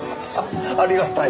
ありがたい。